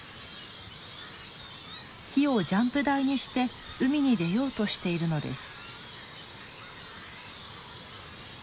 木をジャンプ台にして海に出ようとしているのです。